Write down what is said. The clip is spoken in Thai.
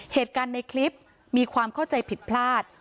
เหตุการณ์ในคลิปมีความเข้าใจผิดพลาด